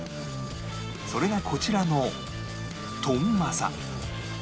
それがこちらの「とんまさ」